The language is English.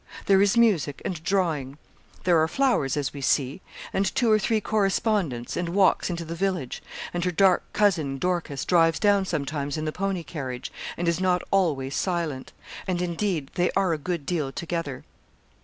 There is music, and drawing. There are flowers, as we see, and two or three correspondents, and walks into the village; and her dark cousin, Dorcas, drives down sometimes in the pony carriage, and is not always silent; and indeed, they are a good deal together.